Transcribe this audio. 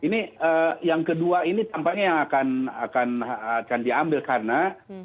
ini yang kedua ini tampaknya yang akan diambil karena